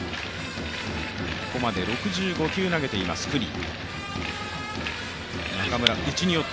ここまで６５球を投げています九里。